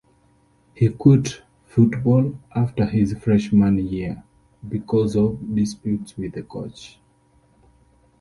He quit football after his freshman year, because of disputes with the coach.